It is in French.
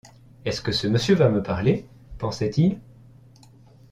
Est-ce que ce monsieur va me parler ? pensait-il.